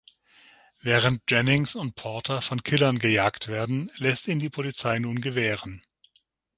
Während Jennings und Porter von Killern gejagt werden, lässt ihn die Polizei nun gewähren.